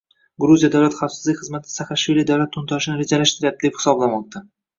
Gruziya Davlat xavfsizlik xizmati Saakashvili davlat to‘ntarishini rejalashtiryapti deb hisoblamoqda